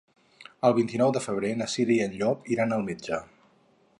El vint-i-nou de febrer na Cira i en Llop iran al metge.